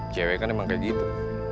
cewek kan emang kayak gitu